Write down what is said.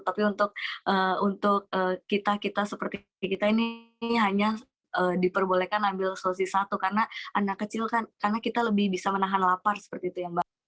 tapi untuk kita kita seperti kita ini hanya diperbolehkan ambil sosis satu karena anak kecil kan karena kita lebih bisa menahan lapar seperti itu ya mbak